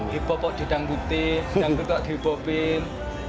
hip hop kok didangdutin dangdut kok dihip hopin